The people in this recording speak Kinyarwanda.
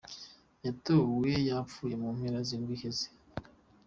Yatowe yapfuye mu mpera z'indwi iheze.